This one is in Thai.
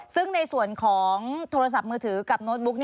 ซึ่งในส่วนของโทรศัพท์มือถือกับโน้ตบุ๊ก